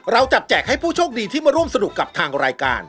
เราจับแจกให้ผู้โชคดีที่มาร่วมสนุกกับทางรายการ